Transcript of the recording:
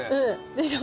でしょ？